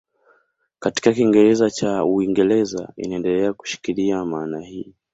Katika Kiingereza cha Uingereza inaendelea kushikilia maana hii.